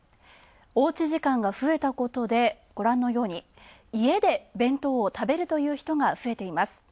おうち時間が増えたことでご覧のように、家で弁当を食べるという人が増えています。